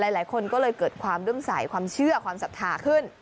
หลายคนก็เลยเกิดความเรื่องใสความเชื่อความศรัทธาขึ้น